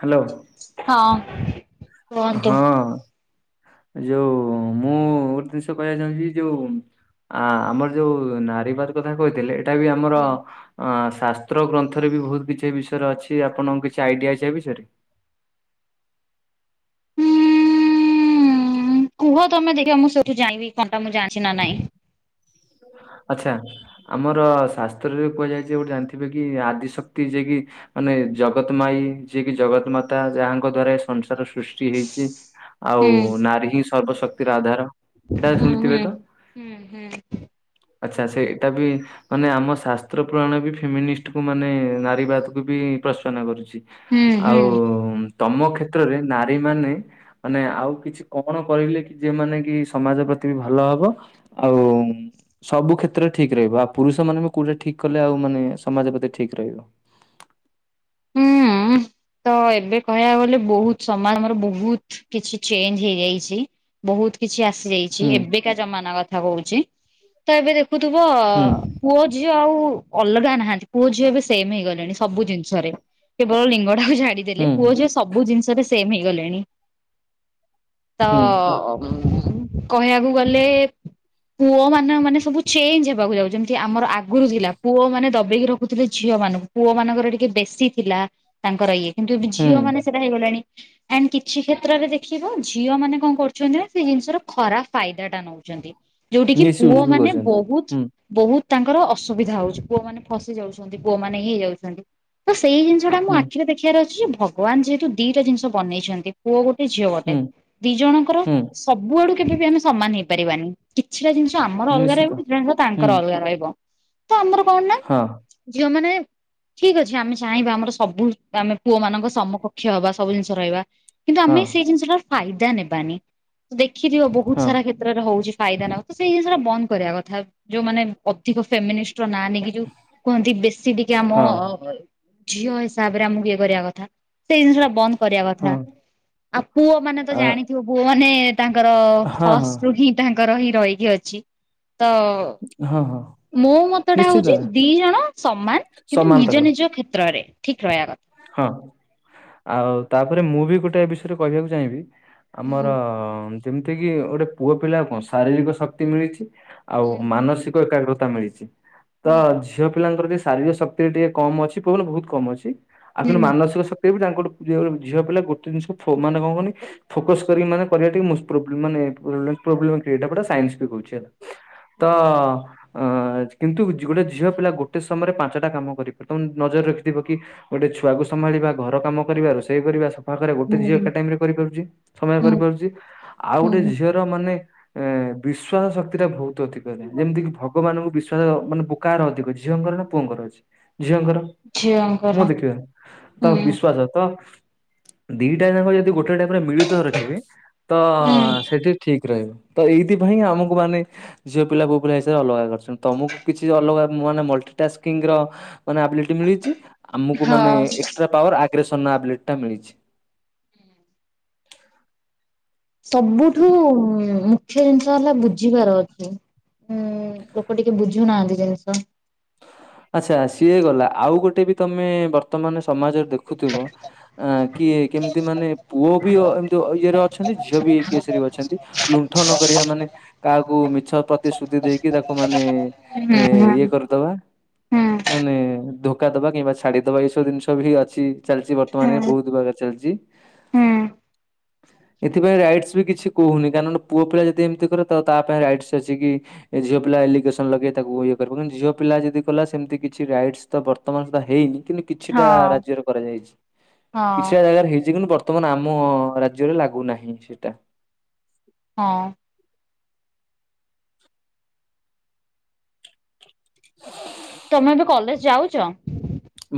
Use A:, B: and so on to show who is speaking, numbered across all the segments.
A: Hello.
B: ହଁ। କୁହନ୍ତୁ।
A: ହଁ ଯୋଉ ମୁଁ ଗୋଟେ ଜିନିଷ କହିବାକୁ ଚାହୁଁଛି ଯୋଉ ଆ ଆମର ଯୋଉ ନାରୀବାଦ କଥା କହିଥିଲେ ଏଇଟା ବି ଆମର
B: ହୁଁ।
A: ହଁ ଶାସ୍ତ୍ର ଗ୍ରନ୍ଥରେ ବି ବହୁତ କିଛି ବିଷୟରେ ଅଛି ଆପଣଙ୍କ କିଛି ଆଇଡ଼ିଆ ଅଛି ଆଁ ବିଷୟରେ?
B: ଉଁ କୁହ ତମେ ଦେଖିବା ମୁଁ ସେଇଠୁ ଯାଇବି କଣଟା ମୁଁ ଜାଣିଛି ନା ନାଇଁ?
A: ଆଚ୍ଛା। ଆମର ଶାସ୍ତ୍ରରେ କୁହାଯାଇଛି ଗୋଟେ ଜାଣିଥିବେ କି ଆଦିଶକ୍ତି ଯିଏ କି ମାନେ ଜଗତ ମାଇ ଯିଏ କି ଜଗତ ମାତା ଯାହାଙ୍କ ଦ୍ଵାରା ସଂସାର ସୃଷ୍ଟି ହେଇଛି। ଆଉ ନାରୀ ହିଁ ସର୍ବଶକ୍ତିର ଆଧାର। ଏଇଟା
B: ହୁଁ
A: ଶୁଣିଥିବେ
B: ହୁଁ
A: ତ?
B: ହୁଁ ହୁଁ।
A: ଆଚ୍ଛା ସେ ଏଇଟା ବି ମାନେ ଆମ ଶାସ୍ତ୍ର ପୁରାଣ ବି ଫିମିଷ୍ଟକୁ ମାନେ ନାରୀ ବାଦକୁ ବି ପ୍ରସନା କରୁଛି।
B: ହୁଁ
A: ଆଉ
B: ହୁଁ
A: ତମ କ୍ଷେତ୍ରରେ ନାରୀ ମାନେ ମାନେ ଆଉ କିଛି କଣ କରିଲେ କି ଯିଏ ମାନେ କି ସମାଜ ପ୍ରତି ବି ଭଲ ହବ। ଆଉ ସବୁ କ୍ଷେତ୍ରରେ ଠିକ ରହିବ ଆଉ ପୁରୁଷ ମାନେ କୋଉଟା ଠିକ କଲେ ଆଉ ମାନେ ସମାଜ ପ୍ରତି ଠିକ ରହିବ?
B: ହୁଁ ତ ଏବେ କହିବାକୁ ଗଲେ ବହୁତ ସମାଜ ଆମର ବହୁତ କିଛି ଚେଞ୍ଜ ହେଇଯାଇଛି ବହୁତ କିଛି ଆସିଯାଇଛି
A: ହୁଁ
B: ଏବେକା ଜମାନା କଥା କହୁଛି ତ ଏବେ ଦେଖୁଥିବ
A: ହୁଁ
B: ପୁଅ ଝିଅ ଆଉ ଅଲଗା ନାହାନ୍ତି ପୁଅ ଝିଅ ବି ସେମ୍ ହେଇଗଲେଣି ସବୁ ଜିନିଷରେ। କେବଳ ଲିଙ୍ଗ ଟାକୁ ଛାଡିଦେଲେ
A: ହୁଁ
B: ପୁଅ ଝିଅ ସବୁ ଜିନିଷରେ ସେମ୍ ହେଇଗଲେଣି। ତ
A: ହୁଁ
B: କହିବାକୁ ଗଲେ ପୁଅ ମାନେ ମାନେ ସବୁ ଚେଞ୍ଜ ହେବାକୁ ଯାଉ ଯେମିତି ଆମର ଆ ଗୁରୁ ଥିଲା ପୁଅ ମାନେ ଦବେଇକି ରଖୁଥିଲେ ଝିଅ ମାନଙ୍କୁ ପୁଅ ମାନଙ୍କର ଟିକେ ବେଶୀ ଥିଲା ତାଙ୍କର ଇଏ। କିନ୍ତୁ ଏବେ
A: ହୁଁ
B: ଝିଅ ମାନେ ସେଇଟା ହେଇଗଲାଣି। ଏଣ୍ଡ କିଛି କ୍ଷେତ୍ରରେ ଦେଖିବ ଝିଅ ମାନେ କଣ କରୁଛନ୍ତି ନା ସେ ଜିନିଷର ଖରାପ ଫାଇଦା ଟା ନଉଛନ୍ତି ଯୋଉଠି କିି ପୁଅ
A: ମିସୟୁଜ୍ ବି
B: ମାନେ
A: କରୁଛନ୍ତି।
B: ବହୁତ
A: ହୁଁ
B: ବହୁତ ତାଙ୍କର ଅସୁବିଧା ହଉଛି ପୁଅ ମାନେ ଫସି ଯାଉଛନ୍ତି ପୁଅ ମାନେ ଇଏ ହୋଇଯାଉଛନ୍ତି। ସେଇ ଜିନିଷଟା
A: ହୁଁ
B: ଆଖିରେ ଦେଖିବାର ଅଛି ଯେ ଭଗବାନ ଯେହେତୁ ଦିଇଟା ଜିନିଷ ବନେଇଛନ୍ତି ପୁଅ ଗୋଟେ ଝିଅ ଗୋଟେ
A: ହୁଁ
B: ଦି ଜଣଙ୍କର
A: ହୁଁ
B: ସବୁଆଡୁ କେବେ ବି ଆମେ ସମାନ ହେଇପାରିବାନି। କିଛିଟା ଜିନିଷ ଆମର ଅଲଗା
A: ନିଶ୍ଚିତ
B: ରହିବ କିଛିଟା ଜିନିଷ
A: ହୁଁ
B: ତାଙ୍କର ଅଲଗା ରହିବ। ତ ଆମର କଣ ନା
A: ହଁ
B: ଝିଅ ମାନେ ଠିକ ଅଛି ଆମେ ଚାହିଁବା ଆମର ସବୁ ଆମେ ପୁଅ ମାନଙ୍କ ସମୁକକ୍ଷ ହବା ସବୁ ଜିନିଷ ରହିବା କିନ୍ତୁ
A: ହଁ
B: ଆମେ ସେଇ ଜିନିଷଟା ଫାଇଦା ନେବାନି ଦେଖିଥିବ ବହୁତ
A: ହଁ
B: ସାରା କ୍ଷେତ୍ରରେ ହଉଛି ଫାଇଦା ନଉ ସେଇ ଜିନିଷଟା ବନ୍ଦ କରିବା କଥା ଯୋଉମାନେ ଅଧିକ ଫେମିଷ୍ଟ ନାଁ ନେଇକି ଯଉ କୁହନ୍ତି ବେଶୀ ଟିକେ ଆମ
A: ହଁ
B: ଝିଅ ହିସାବ ରେ ଆମକୁ ଇଏ କରିବା କଥା ସେଇ ଜିନିଷ ଟା ବନ୍ଦ କରିବା କଥା।
A: ହଁ।
B: ଆଉ ପୁଅ ମାନେ ତ
A: ଆ
B: ଜାଣିଥିବ ପୁଅ ମାନେ ତାଙ୍କର
A: ହଁ ହଁ
B: ଫାଷ୍ଟ ରୁ ହିଁ ତାଙ୍କର ହିଁ ରହିକି ଅଛି ତ
A: ହଁ ହଁ
B: ମୋ ମତ ଟା
A: ନିଶ୍ଚିତ
B: ହଉଛି
A: ଭାବେ
B: ଦି ଜଣ ସମାନ କିନ୍ତୁ ନିଜ
A: ସମାନ୍ତର
B: ନିଜ କ୍ଷେ ତ୍ରରେ ଠିକ ରହିବା କଥା।
A: ହଁ ଆଉ ତାପରେ ମୁଁ ବି ଗୋଟେ ବିଷୟରେ କହିବାକୁ ଚାହିଁବି ଆମର
B: ହୁଁ
A: ଯେମିତି କିି ଗୋଟେ ପୁଅ ପିଲା କଣ ଶାରୀରିକ ଶକ୍ତି ମିଳିଛି। ଆଉ
B: ହୁଁ
A: ମାନସିକ ଏକାଗ୍ରତା ମିଳିଛି। ତ
B: ହୁଁ
A: ଝିଅ ପିଲାଙ୍କର ଟିକେ ଶାରୀରିକ ଶକ୍ତି ଟିକେ କମ ଅଛି ପୁଣି ବହୁତ କମ ଅଛି ଆଉ କିନ୍ତୁ
B: ହୁଁ।
A: ମାନସିକ ଶ ସେ ବି [unintelligible] ପ୍ରିୟ ଝିଅ ପିଲା ଗୋଟେ ଜିନିଷ ଫୁ ମାନେ କଁ କନି ଫୋକସ କରିବ ମାନେ [unintelligible] ମୁସ୍କିଲ ମାନେ [unintelligible] ତ ଅ କିନ୍ତୁ ଗୋଟେ ଝିଅ ପିଲା ଗୋଟେ ସମୟରେ ପାଞ୍ଚଟା କାମ କରିବ ତମେ ନଜର ରଖିଥିବ କି। ଗୋଟେ ଛୁଆକୁ ସମ୍ଭାଳିବା ଘର କାମ କରିବା ରୋଷେଇ କରିବା ସ ପାଖରେ ଗୋଟେ ଝିଅ ଏକା
B: ହୁଁ
A: ଟାଇମ୍ ରେ କରିପାରୁଚି ସମୟ କରିପାରୁଚି ଆଉ
B: ହୁଁ।
A: ଗୋଟେ ଝିଅ ର ମାନେ ଏ ବିଶ୍ଵାସ ଶକ୍ତି ଟା ବହୁତ ଅଧିକ ହେଇଯାଏ ଯେମିତିକି ଭ ଲୋକ ମାନଙ୍କୁ ବିଶ୍ୱାସ ମାନେ ପୋ କାର ଅଧିକ ଝିଅଙ୍କର ନା ପୁଅଙ୍କର ଅଛି ଝିଅଙ୍କର।
B: ଝିଅ
A: ମୁଁ ଦେଖିବା ତ ବିଶ୍ଵାସ ତ ଦିଟା ଜାକ ଯଦି ଗୋ ଟେ ଟା ପୁରା ମିଳିତ ରଖିବେ ତ
B: ହୁଁ
A: ସେଠି ଠିକ୍ ରହିବ ତ ଏଇଥିପାଇଁ ଆମକୁ ମାନେ ଝିଅ ପିଲା ପୁଅ ପିଲା ହିସାବରେ ଅଲଗା କରିଛନ୍ତି ତମୁକୁ କିଛି ଅଲଗା ମାନେ ମଲ୍ଟି ଟାସ୍କିଙ୍ଗ ର ମାନେ ଆବଲିଟି ମିଳିଚି ଆମୁକୁ ମାନେ
B: ହଁ।
A: ଏକ୍ସଷ୍ଟ୍ରା ପାୱାର ଆଗ୍ରେଶନ ର ଆବିଲିଟି ଟା ମିଳିଛି।
B: ସବୁଠୁ ଉଁ ମୁଖ୍ୟ ଜିନିଷ ହେଲା ବୁଝିବାର ଅଛି ଉଁ ଲୋକ ଟିକେ ବୁଝୁନାହାନ୍ତି ଜିନିଷ।
A: ଆଛା ସିଏ ଗଲା ଆଉ ଗୋଟେ ବି ତମେ ବର୍ତ୍ତମାନ ସମାଜରେ ଦେଖୁଥୁବ। ଆ କିଏ କେମିତି ମାନେ ପୁଅ ବି ଅ ଏମିତି ଅ ଇଏରେ ଅଛନ୍ତି ଝିଅ ବି ଏଇ କେସରେ ବି ଅଛନ୍ତି ଲୁଣ୍ଠନ କରିବା ମାନେ କାହାକୁ ମିଛ ପ୍ରତିଶ୍ରୁତି ଦେଇକି ତାକୁ ମାନେ
B: ହୁଁ
A: ଏ
B: ହୁଁ
A: ଇଏ କରିଦବା।
B: ହୁଁ
A: ମାନେ ଧୋକା ଦବା କିମ୍ବା ଛାଡିଦବା ଏଇସବୁ ଜିନିଷ ବି ଅଛି ଚାଲିଚି ବ ତଆନେ ବହୁତ ବାଗରେ ଚାଲିଚି।
B: ହୁଁ
A: ଏଥିପାଇଁ ରାଇଟ୍ସ ବି କିଛି କହୁନି କାରଣ ପୁଅ ପିଲା ଯଦି ଏମିତି କରିବ ତ ତା ପାଇଁ ରାଇଟ୍ସ ଅଛି କି ଏ ଝିଅ ପିଲା ଏଲିଗେସନ ଲଗେଇ ତାକୁ ଇଏ କରି [unintelligible] ଝିଅ ପିଲା ଯଦି କଲା ସେମିତି କିଛି ରାଇଟ୍ସ ତ ବର୍ତ୍ତମାନ ସୁଧା ହେଇନି କି କିଛିଟା
B: ହଁ
A: ରାଜ୍ୟରେ କରାଯାଇଛି
B: ହଁ।
A: କିଛିଟା ଜାଗାରେ ହେଇଛି କିନ୍ତୁ ବର୍ତ ର୍ତ୍ତମାନ ଆମ ରାଜ୍ୟରେ ଲାଗୁନାହିଁ ସେଟା।
B: ହଁ। ତମେ ଏବେ କଲେଜ ଯାଉଚ?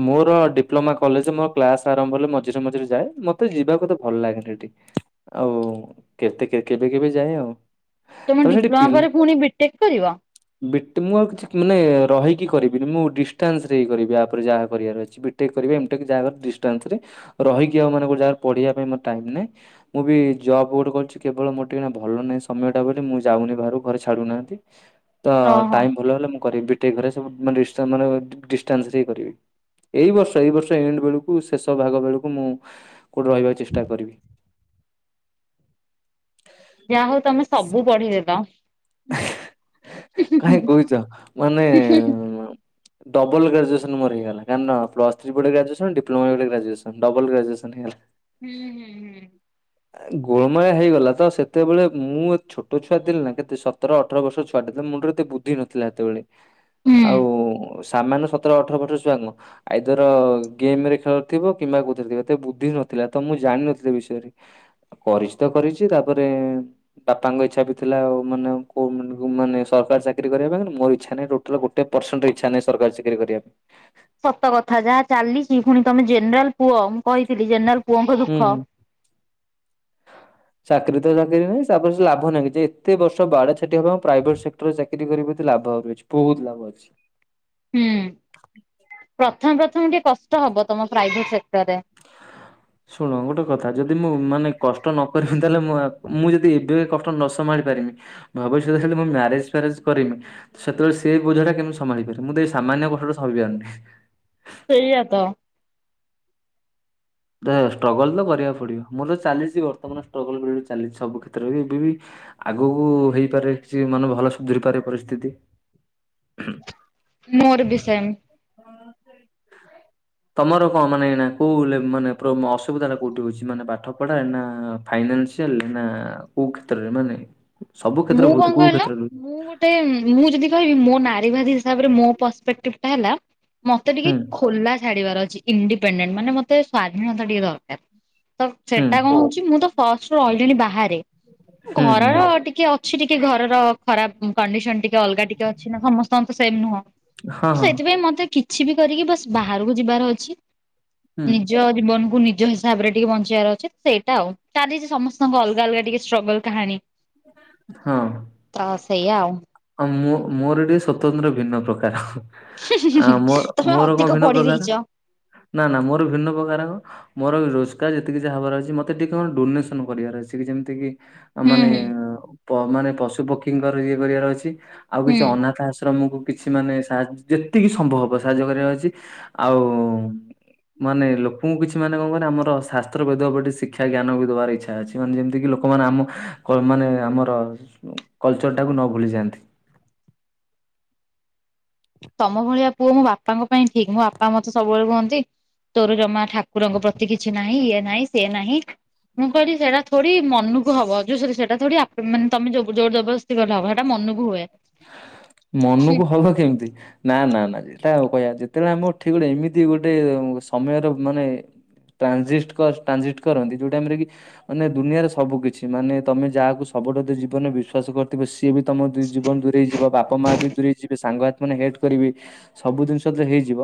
A: ମୋର ଡ଼ିପ୍ଲୋମା କଲେଜ ମୋ କ୍ଲାସ ଆରମ୍ଭ ହେଲେ ମଝିରେ ମଝିରେ ଯାଏ ମତେ ଯିବାକୁ ଏତେ ଭଲ ଲାଗେନି ହେଠି। ଆଉ କେତେ କେବେ କେବେ ଯାଏ ଆଉ।
B: ତମେ
A: ତାପରେ ସେଠି
B: ଡିପ୍ଲୋମା
A: ପିଲା
B: ପରେ ପୁଣି ବିଟେକ୍ କରିବ?
A: ବିଟ୍ ମୁଁ ଆଉ କିଛି ମାନେ ରହିକି କରିବିନି ମୁଁ ଡିଷ୍ଟାନ୍ସରେ ହି କରିବି ଆ ପରେ ଯାହା କରିବାର ଅଛି ବିଟେକ୍ କରିବି ଏମଟେକ୍ ଯାହା ହବ ଡିଷ୍ଟାନ୍ସରେ ରହିକି ଆଉ ମାନ ଗୋଟେ ଜାଗାରେ ପଢିବା ପାଇଁ ମୋର ଟାଇମ୍ ନାହିଁ। ମୁଁ ବି ଜବ୍ ଗୋଟେ କରୁଛି କେବଳ ମୋର ଟିକେ ଏଇନା ଭଲ ନାହିଁ ସମୟଟା ବୋଲି ମୁଁ ଯାଉନି ବାହାରୁକୁ ଘରେ ଛାଡ଼ୁନାହାନ୍ତି। ତ
B: ଓହୋ
A: ଟାଇମ୍ ଭଲ ହେଲେ ମୁଁ କରିବି ବିଟେକ୍ ଘରେ ସବୁ [unintelligible] ଡି-ଡିଷ୍ଟାନ୍ସ ରେ। କରିବି ଏଇ ବର୍ଷ ଏଇ ବର୍ଷ ଏଣ୍ଡ ବେଳୁକୁ ଶେଷ ଭାଗ ବେଳୁକୁ ମୁଁ କୋଉଠି ରହିବାକୁ ଚେଷ୍ଟା କରିବି।
B: ଯାହା ହଉ ତମେ ସବୁ ପଢିଦେଲ।
A: ହେଁ କାହିଁ
B: ହୁଁ
A: କହୁଛ ମାନେ ଡବଲ ଗ୍ରାଜୁଏସନ୍ ମୋର ହୋଇଗଲା କାରଣ ପ୍ଲସ ଥ୍ରି ବେଳେ ଗ୍ରାଜୁଏସନ୍ ଡିପ୍ଲୋମା ବେଳେ ଗ୍ରଜୁଏସନ୍ ଡବଲ ଗ୍ରାଜୁଏସନ୍ ହେଇଗଲା।
B: ହୁଁ ହୁଁ ହୁଁ।
A: ଏ ଗୋଳ ମାଳିଆ ହେଇଗଲା ତ ସେତେବେଳେ ମୁଁ ଛୋଟ ଛୁଆ ଥିଲି ନା କେତେ ସତର ଅ ଅଠର ବର୍ଷର ଛୁଆଟେ ଥିଲା ମୁଣ୍ଡରେ ଏତେ ବୁଦ୍ଧି ନଥିଲା ସେତେବେଳେ
B: ହୁଁ।
A: ଆଉ ସାମାନ୍ୟ ସତର ଅଠର ବର୍ଷ ଛୁଆ ନୁହଁ। ଆଇଦର ଗେମ ରେ ଖେଳ ଥିବ କିମ୍ବା କୋଉଥିରେ ଥିବ ଏତେ ବୁଦ୍ଧି ନଥିଲା ତ ମୁଁ ଜାଣିିନଥିଲି ଏ ବିଷୟରେ। କରିଛି ତ କରିଛି ତାପରେ ବାପାଙ୍କ ଇଚ୍ଛା ବି ଥିଲା ଆଉ ମାନେ କୋଉ ମାନେ ସରକାର ଚାକିରି କରିବା ପାଇଁ କିନ୍ତୁ ମୋର ଇଚ୍ଛା ନାହିଁ ଟୋ ତ୍ର ଗୋଟେ ପର୍ସେଣ୍ଟ ଇଚ୍ଛା ନାହିଁ ସରକାରୀ ଚାକିରି କରିବା ପା
B: ସତ କଥା ଯାହା ଚାଲିଚି ଫୁଣି ତମେ ଜେନରାଲ ପୁଅ ମୁଁ କହିଥିଲି ଜେନରାଲ
A: ହୁଁ ହୁଁ। ଚାକିରି ତ ଚାକିରି ନାହିଁ ତାପରେ ସେ ଲାଭ ନାହିଁ କିଛି ଏତେ ବର୍ଷ ବାଡ଼ା ପିଟି ହବା ମୁଁ ପ୍ରାଇଭେଟ୍ ସେକ୍ଟରରେ ଚାକିରି କରି ପଛେ ଲାଭ ଆହୁରି ଅଛି ବୋହୁତ ଲାଭ ଅଛି।
B: ହୁଁ ପ୍ରଥମେ ପ୍ରଥମେ ଟିକେ କଷ୍ଟ ହବ ତମ ପ୍ରାଇଭେଟ ସେକ୍ଟରରେ।
A: ଶୁଣ ଗୋଟେ କଥା ଯଦି ମୁଁ ମାନେ କଷ୍ଟ ନ କରିବି ତାହେଲେ ମୋଆ ମୁଁ ଯଦି ଏବେ କଷ୍ଟ ନ ସମାଳି ପାରିବି ଭବିଷ୍ୟତରେ [unintelligible] ମୁଁ ମ୍ୟାରେଜ ଫ୍ୟାରେଜ କରିମି। ସେତେବେଳେ ସେଇ ବୋଝ ଟା କେମିତି ସମାଳି ପାରିବି ମୁଁ ତ ଏଇ ସାମନ୍ୟ କଷ୍ଟଟା ସହିବି ପାରୁନି।
B: ସେଇଆ ତ।
A: ଦେଖ ଷ୍ଟ୍ରଗଲ୍ ତ କରିବାକୁ ପଡିବ ମୋର ତ ଚାଲିଚି ବର୍ତ୍ତମାନ ଷ୍ଟ୍ରଗଲ୍ ପିରିୟୋଡ ଚାଲିଚି ସବୁ କ୍ଷେତ୍ରରେ ବି ଏବେ ବି ଆଗୁକୁ ହେଇପାରେ କିଛି ମାନେ ଭଲ ସୁଧୁରି ପାରେ ପରିସ୍ଥିତି।
B: ମୋରୋ ବି ସେମ୍।
A: ତମର କଁ ମାନେ ଏଇନା କୋଉ ଲେବ ମାନେ ପ୍ରୋମ୍ ଅସୁବିଧା ଟା କୋଉଠି ହୋଉଚି ମାନେ ପାଠ ପଢାରେ ନା ଫାଇନାଲ୍ସିଆଲ୍ ନା କୋଉ କ୍ଷେତ୍ରରେ ମାନେ ସବୁ କ୍ଷେତ୍ର
B: ମୁଁ କଁ
A: ବହୁତ କୋଉ
B: କହିଲ
A: କ୍ଷେତ୍ରରେ ହୁଁ
B: ମୁଁ ଗୋ ଟେ ମୁଁ ଯଦି କହିବି ମୋ ନାରୀବାଦୀ ହିସାବରେ ମୋ ପର୍ସପେକ୍ଟିଭ ଟା ହେଲା। ମତେ ଟିକେ
A: ହୁଁ
B: ଖୋଲା ଛାଡିବାର ଅଛି ଇଣ୍ଡିପେଣ୍ଡେଣ୍ଟ ମାନେ ମତେ ସ୍ଵାଧୀନତା ଟିକେ ଦରକାର। ତ
A: ହୁଁ
B: ସେଟା କଁ ହୋଉଚି ମୁଁ ତ ଫାଷ୍ଟରୁ ଅଲରେଡି ବାହାରେ
A: ହୁଁ
B: ଘରର ଟି କିଏ ଅଛି ଟିକେ ଘରର ଖରାପ କଣ୍ଡିସନ ଟିକେ ଅଲଗା ଟିକେ ଅଛି ନା ସମସ୍ତଙ୍କର ତ ସେମ୍ ନୁହଁ।
A: ହଁ ହଁ
B: ସେଇଥିପାଇଁ ମତେ କିଛି ବି କରିକି ବାସ୍ ବାହାରକୁ ଯିବାର ଅଛି।
A: ହୁଁ
B: ନିଜ ଜୀବନ କୁ ନିଜ ହିସ୍ ହିସାବରେ ଟିକେ ବଞ୍ଚିବାର ଅଛି ସେଇଟା ଆଉ ତାଲଛି ସମସ୍ତଙ୍କ ଅଲଗା ଅଲଗା ଟିକେ ଷ୍ଟ୍ରଗଲ୍ କାହାଣୀ।
A: ହଁ।
B: ତ ସେଇଆ ଆଉ।
A: ଅଁ ମୋ ମୋରୋ ଟିକେ ସ୍ଵତନ୍ତ୍ର ଭିନ୍ନ ପ୍ରକାର। ଆଁ ମୋର୍
B: ତମେ
A: ମୋରୋ କଁ
B: ଅଧିକ
A: ଭିନ୍ନ
B: ପଢି
A: ପ୍ରକାର
B: ଦେଇଛ।
A: ନା ନା ମୋରୋ ଭିନ୍ନ ପ୍ରକାର ହବ। ମୋରୋ ରୋଜଗାର ଯେତିକି ଯାହା ହବାର ଅଛି ମତେ ଟିକେ କଁ ଡୋନେସନ୍ କରିବାର ଅଛି କି ଯେମିତି କି।
B: ହୁଁ
A: ମାନେ
B: ହୁଁ
A: ପ ମାନେ ପଶୁ ପକ୍ଷୀଙ୍କର ଇଏ କରିବାର ଅଛି। ଆଉ କିଛି
B: ହୁଁ।
A: ଅନାଥ ଆଶ୍ରମକୁ କିଛି ମାନେ ସାହା ଯେତିକି ସମ୍ଭବ ହବ ସାହାଯ୍ୟ କରିବାର ଅଛି ଆଉ ମାନେ ଲୋକୋଙ୍କୁ କିଛି ମାନେ କଁ କହିନ ଆମର ଶାସ୍ତ୍ର ବୈଦ୍ୟ ଉପରେ ଟିକେ ଶିକ୍ଷା ଜ୍ଞାନ ବି ଦବାର ଇଚ୍ଛା ଅଛି। ସେମାନେ ଯେମିତିକି ଲୋକୋମାନେ ଆମ କଲ୍ ମାନେ ଆମର କଲ୍ଚର ଟାକୁ ନ ଭୁଲିଯାଆନ୍ତି।
B: ତମ ଭଳିଆ ପୁଅ ମୋ ବାପାଙ୍କ ପାଇଁ ଠିକ ମୋ ବାପା ମତେ ସବୁବେଳେ କୁହନ୍ତି ତୋରୋ ଜମା ଠାକୁରଙ୍କ ପ୍ରତି କିଛି ନାହିଁ ଇଏ ନାହିଁ ସିଏ ନାହିଁ। ମୁଁ କହିଲି ସେଟା ଥୋଡି ମନୁକୁ ହବ ଯୋଉ ସରି ସେଟା ଥୋଡି ଆପେ ମାନେ ତମେ ଜୋବ ଜୋର ଜବରଦସ୍ତ [unintelligible] ହେଟା ମନୁକୁ ହୁଏ।
A: ମନୁକୁ ହବ କେମିତି? ନାଁ ନାଁ ନାଁ ସେଟା ଆଉ କହିବା ଯେତେବେଳେ ଆମଠି ଗୋଟେ ଏମିତି ଗୋଟେ ସମୟର ମାନେ ଟ୍ରାଜିଷ୍ଟ କଷ୍ଟ୍ ଟ୍ରାଜିଣ୍ଟ କରନ୍ତି ଯେଉଁ ଟାଇମ୍ ରେ କି ମାନେ ଦୁନିଆର ସବୁ କିଛି ମାନେ ତମେ ଯାହାକୁ ସବୁଠୁ ଯଦି ଜୀବନରେ ବିଶ୍ୱାସ କରୁ ତେବେ ସିଏ ବି ତମ ଦୁଇ ଜୀବନ ଦୁଇ ରେଇ ଯିବ ବାପ ମାଆ ବି ଦୂରେଇ ଯିବେ ସାଙ୍ଗହାଥି ମାନେ ହେଟ୍ କରିବେ ସବୁ ଜିନିଷ ଯେତେବେଳେ ହେଇଯିବ।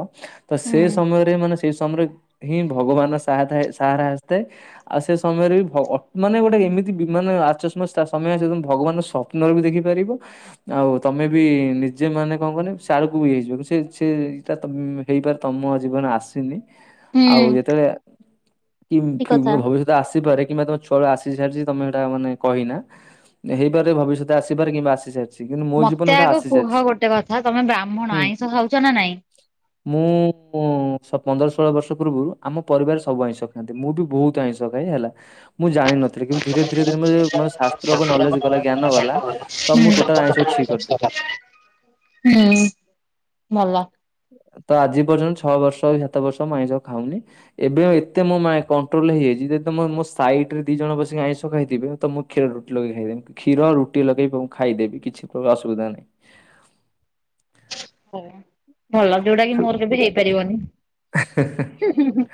A: ତ ସେ ସମୟରେ ମାନେ ସେଇ ସମୟରେ ହିଁ ଭଗବାନ ସାହା ଥାଏ ସାହାରା ଆସିଥାଏ। ଆଉ ସେ ସମୟରେ ବି ଭଗ ଅ ମାନେ ଗୋଟେ ଏମିତି ବି ମାନେ ଆଚସ୍ମିକ ସା ସମୟ ଆସିବ ତମେ ଭଗବାନଙ୍କୁ ସ ପ୍ନରେ ବି ଦେଖିପାରିବ। ଆଉ ତମେ ବି ନିଜେ ମାନେ କଁ କୁହନି ସାଡୁକୁ ଇଏ ହେଇଯିବ ବି ସେ ସେଇଟା ତମେ ହେଇପାରେ ତମ ଜୀବନରେ ଆସିନି ଆଉ
B: ହୁଁ
A: ଯେତେବେଳେ
B: ଠିକ କଥା।
A: [unintelligible] ଭବିଷ୍ୟ ଆସିପାରେ କିମ୍ବା ତମ ଛୁଆ ବେଳୁ ଆସି ସାରିଚି ତମେ ହେଟା ମାନେ କହିନା। ହେଇପାରେ, ଭବିଷ୍ୟତ ଆସିିପାରେ କିମ୍ବା ଆସି [unintelligible] ଜୀବନ
B: ମତେ
A: ସେଟା
B: ଆଗ
A: ଆସି
B: କୁହ
A: ସାରିଛି
B: ଗୋଟେ କଥା ତମେ ବ୍ରାହ୍ମଣ
A: ହୁଁ
B: ଆଇଁଷ ଖାଉଛ ନା ନାଇଁ?
A: [inaudible] ମୁଁ ପନ୍ଦର ଷୋଳ ବର୍ଷ ପୂର୍ବରୁ ଆମ ପରିବାରରେ ସବୁ ଆଇଁଷ ଖାଆନ୍ତି, ମୁଁ ଠୁ ବହୁତ ଆଇଁଷ [unintelligible] ମୁଁ ଜାଣିନଥିଲି କିନ୍ତୁ ଧୀରେ ଧୀରେ ଧୀରେ ଶାସ୍ତ୍ର ନଲେଜ ଗଲା ଜ୍ଞାନ ଗଲା ତ ମୁଁ ଟୋଟାଲ ଆଇଁଷକୁ ଛି କରିଦେଲି
B: ହୁଁ, ଭଲ।
A: ତ ଆଜି ପର୍ଯ୍ୟନ୍ତ ଛଅ ବର୍ଷ ସାତ ବର୍ଷ ଆଇଁଷ ଖାଉନି। ଏବେ ଏତେ ମୋ କଣ୍ଟ୍ରୋଲରେ ହେଇଯାଇଛି ଯେଦ ମୋ ସାଇଡ ରେ ଦି ଜଣ ବସିକି ଆଇଁଷ ଖାଇଥିବେ ତ ମୁଁ କ୍ଷୀର ରୁଟି ଲଗେଇ ଖାଇଦେବି, କ୍ଷୀର ରୁଟି ଲଗେଇ ଖାଇଦେବି, କିଛି ଅସୁବିଧା ନାହିଁ।
B: ହ ଭଲ ଯୋଉଟା କି ମୋର କେବେ ହେଇପାରିବନି। [unintelligible]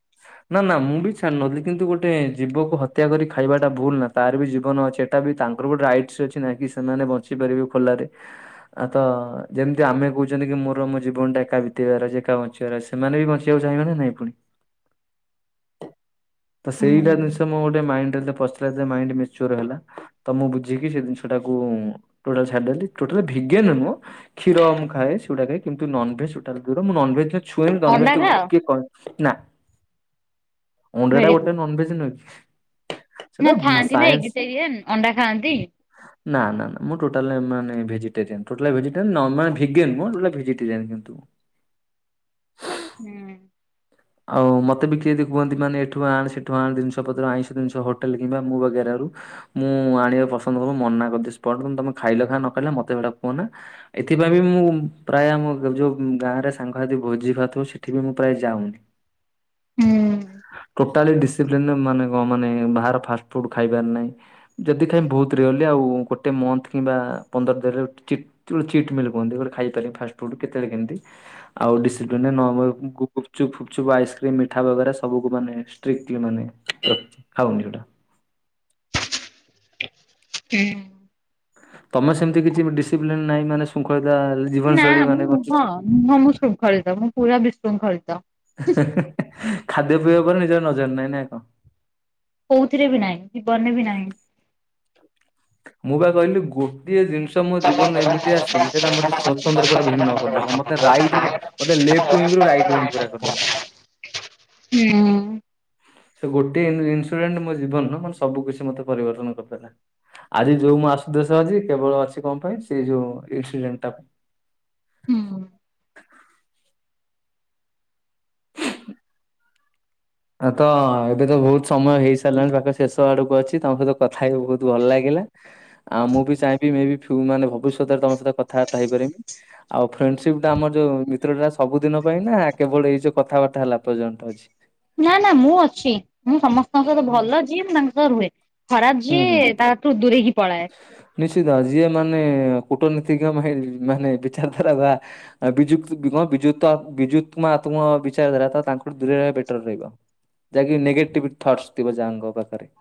A: [unintelligible] ନା ନା ମୁଁ ବି ଛାଡି ନଥିଲି କିନ୍ତୁ ଗୋଟେ ଜୀବକୁ ହତ୍ୟା କରି ଖାଇବାଟା ଭୁଲ ନା, ତାର ବି ଜୀବନ ଅଛି। ତାଙ୍କର ଗୋଟେ ରାଇଟ ଅଛି ନାକି ସେମାନେ ବଞ୍ଚି ପାରିବେ ଖୋଲାରେ। ଆ ତ ଯେମିତି ଆମେ କହୁଛନ୍ତି କି ମୋର ମୁଁ ଯି। [unintelligible] ଏକା ବଞ୍ଚିବାର ଅଛି, ସେମାନେ ବି ବଞ୍ଚିବାକୁ ଚାହିଁବେ ନା ନାଇଁ ପୁଣି ତ ସେଇଟା
B: ହୁଁ
A: ଜିନିଷ ମୁଁ ଗୋଟେ ମାଇଣ୍ଡରେ ପସିଲା ଯେ ମାଇଣ୍ଡ ମାଚୁଆର ହେଲା। ତ ମୁଁ ବୁଝିକି ସେ ଜିନିଷ ଟାକୁ ଟୋଟାଲ ଛାଡିଦେଲି, ଟୋଟାଲ ଭିଗେନ ମୁଁ କ୍ଷୀର ମୁଁ ଖାଏ, ସେଗୁଡା ଖାଏ। ନନଭେଜଟା ଦୂର ମୁଁ ନନଭେଜ ଛୁଏଁନି,
B: ଅଣ୍ଡା
A: ନନଭେଜ [unintelligible]
B: ଖାଅ
A: ତ କିଏ ନା। ଅଣ୍ଡ ଟା
B: ଭେରି
A: ଗୋଟେ
B: ଗୁଡ୍
A: ନନଭେଜ ନୁହେଁ କି? ସେଟା
B: ନା ଖାଆନ୍ତି ନା,
A: ସାଇନ୍ସ
B: ଏଗିଟେରିଅନ ଅଣ୍ଡା ଖାଆନ୍ତି।
A: ନା ନା ମୁଁ ଟୋଟାଲ ମାନ ଭେଜିଟେରିଆନ ଟୋଟା ଭେ। [unintelligible] [unintelligible]
B: ହୁଁ ଉଁ
A: ଆଉ ମତେ ବି କିଏ ଯଦି କୁହନ୍ତି, ମାନେ ଏଠୁ ଆଣ, ସେଠୁ ଆଣ, ଜିନିଷପତ୍ର ଆଇଁଷ ଜିନିଷ ହୋଟେଲ କିମ୍ବା ମୋ ବାଗେରରୁ ମୁଁ ଆଣିବାକୁ ପସନ୍ଦ କରୁ ମନା କରିଦିଏ ସ୍ପଟ, ତମେ ଖାଇଲ ଖା ନ ଖାଇଲ, ମତେ ଏଗୁଡା କୁହ ନା। ଏଥିପାଇଁ ବି ମୁଁ ପ୍ରାୟ ଆମ ଯୋଉ ଗାଁ ରେ ସାଙ୍ଗସାଥି ଭୋଜିଭାତ ହୁଏ, ସେଠି ବି ମୁଁ ପ୍ରାୟ ଯାଉନି।
B: ହୁଁ
A: ଟୋଟାଲ ଡିସିପ୍ଲି ମାନେ ମାନେ ବା ଫାଷ୍ଟ ଫୁଡ ଖାଇବାର ନାହିଁ। ଯଦି ଖାଇବି, ବହୁତ ରେଅରିଲି ଆଉ ଗୋଟେ ମନ୍ଥ କିମ୍ବା ପନ୍ଦର ଦିନ [unintelligible] [unintelligible] ଖାଇପାରେ ଫାଷ୍ଟଫୁଡ କେତେବେଳେ କେମିତି? ଆଉ ଡିସିପ୍ଲିନ ଗୁୁପ ଗୁପଚୁପ, ଆଇସ୍କ୍ରିମ୍, ମିଠା ବଗେରା, ସବୁ ମାନେ ଷ୍ଟ୍ରିକ୍ଟଲି ମାନେ ଖାଉନି ସେଉଡା।
B: ହୁଁ ଉଁ
A: ତମେ ସେମିତି କିଛି ଡିସିପ୍ଲିନ ନାହିଁ, ମାନେ ଶୃଙ୍ଖଳତା ଜୀବନଶୈଳୀ ମାନେ
B: ମୁଁ ହଁ
A: ବଞ୍ଚିଛ।
B: ନା ମୁଁ ଶୃଙ୍ଖଳିତ, ମୁଁ ପୁରା ବିଶୃଙ୍ଖଳିତ।
A: ଖାଦ୍ୟ ପେୟ ଉପରେ ନିଜର ନଜର ନହିଁ ନାଇ କଣ?
B: କୋଉଥିରେ ବି ନାହିଁ ଜୀବନରେ ବି ନାହିଁ।
A: ମୁଁ ବା କହିଲି ଗୋଟିଏ ଜିନିଷ ମୋ ଜୀବନରେ ଏମିତି ଆସିଛି, ସେଇଟା ମତେ ସତନ୍ତ୍ର ଭିନ୍ନ କରିଦେଲା, ମତେ ରାଇଟ ରୁ ମୋତେ ଲେଫ୍ଟ ୱିଙ୍ଗ ରୁ ରାଇଟ୍ ୱିଙ୍ଗ୍ ପୁରା କରିଦେଲା।
B: ହୁଁ
A: ସେ ଗୋଟେ ଇନ୍ସଡେଣ୍ଟ ମୋ ଜୀବନ ମାନେ ସବୁ କିଛି ମୋତେ ପରିବର୍ତ୍ତନ କରିଦେଲା। ଆଜି ଯୋଉ ମୁଁ ଆସୁଦଶ ଅଛି କେବଳ ଅଛି କଣ ପାଇଁ, ସେ ଯୋଉ ଇନଡେଣ୍ଟ ଟା ପାଇଁ।
B: ହୁଁ ଉଁ
A: ଆ ତ ଏବେ ତ ବହୁତ ସମୟ ହେଇ ସାରିଲାଣି ପାଖ ଶେଷ ଆଡକୁ ଅଛି, ତମ ସହିତ କଥା ହେଇି ବହୁତ ଭଲ ଲାଗିଲା। ଆଉ ମୁଁ ବି ଚାହିଁବି ମାନେ ଭବିଷ୍ୟତରେ ତମ ସହିତ କଥାବାର୍ତ୍ତା ହେଇପାରମି। ଆଉ ଫ୍ରେଣ୍ଡସିପ ଟା ଆମର ଯୋଉ ମିତ୍ରଟା ସବୁଦିନ ପାଇଁ ନା କେବଳ ଏଇ ଯୋଉ କଥାବାର୍ତ୍ତା ହେଲା ପର୍ଯ୍ୟନ୍ତ ଅଛି।
B: ନା ନା ମୁଁ ଅଛି ମୁଁ ସମସ୍ତଙ୍କ ସହିତ
A: ହୁଁ।
B: ଭଲ ଯିଏ ମୁଁ ତାଙ୍କ ସହ ରୁହେ। ଖରାପ
A: ହୁଁ ହୁଁ
B: ଯିଏ, ତା ଠୁ ଦୂରେଇ କି ପଳାଏ।
A: ନିଶ୍ଚିତ ଯିଏ ମାନେ କୂଟନୀତିଜ୍ଞ ମା ମାନେ ବିଚାରଧାରା ବା ବିଯୁକ୍ତୁବିମ ବିୁଯୁକ୍ତ ବିଯୁମ୍ତାତ୍ମକ ବିଚାରଧାରା ତ ତାଙ୍କଠୁ ଦୂରେଇ ରହିବା ବେଟର ରହିବ। ଯାହାକି ନେଗେଟିଭ ଥଟସ ଥିବ ଯାହାଙ୍କ ପାଖରେ।